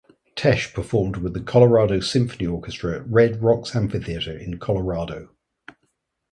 Tesh performed with the Colorado Symphony Orchestra at Red Rocks Amphitheatre in Colorado.